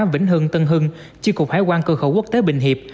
vĩnh hưng tân hưng tri cục hải quan cơ khẩu quốc tế bình hiệp